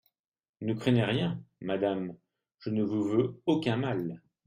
Ne craignez rien, madame, je ne vous veux aucun mal !